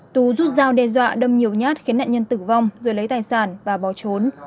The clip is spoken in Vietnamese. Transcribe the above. tú rút dao đe dọa đâm nhiều nhát khiến nạn nhân tử vong rồi lấy tài sản và bỏ trốn